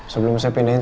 sebelum saya pindahin